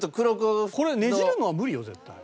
これねじるのは無理よ絶対。